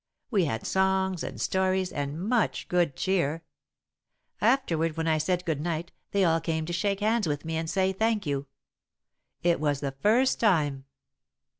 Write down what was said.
We had songs and stories and much good cheer. Afterward, when I said good night, they all came to shake hands with me and say 'Thank you.' It was the first time.